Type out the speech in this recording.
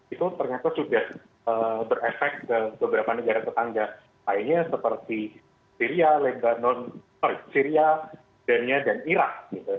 itu ternyata sudah berefek ke beberapa negara tetangga lainnya seperti syria leganon syria dania dan irak